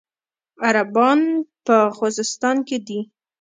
عربان په خوزستان کې دي.